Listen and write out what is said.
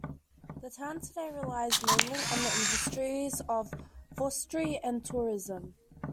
The town today relies mainly on the industries of forestry and tourism.